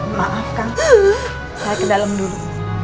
memaafkan saya ke dalam dulu